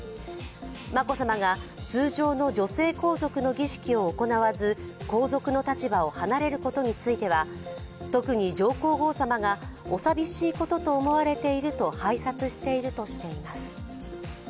眞子さまが通常の女性皇族の儀式を行わず皇族の立場を離れることについては特に上皇后さまがお寂しいことと思われていると拝察しているとしています。